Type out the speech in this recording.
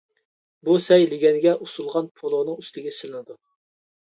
بۇ سەي لېگەنگە ئۇسۇلغان پولۇنىڭ ئۈستىگە سېلىنىدۇ.